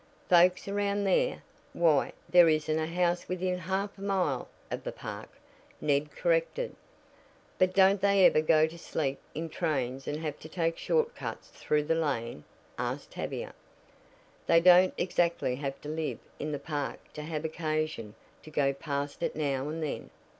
"Folks around there? Why, there isn't a house within half a mile of the park," Ned corrected. "But don't they ever go to sleep in trains and have to take short cuts through the lane?" Tavia asked. "They don't exactly have to live in the park to have occasion to go past it now and then."